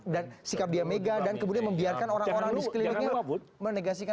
sikap dia mega dan kemudian membiarkan orang orang di sekelilingnya menegasikan